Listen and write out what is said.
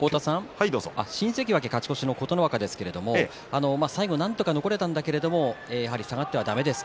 新関脇勝ち越しの琴ノ若ですが最後なんとか残れたんだけれどやはり下がってはだめです。